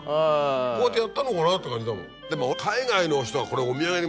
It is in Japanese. こうやってやったのかなって感じだもん。